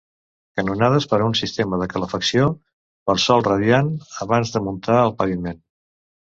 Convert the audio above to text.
Canonades per a un sistema de calefacció per sòl radiant, abans de muntar el paviment.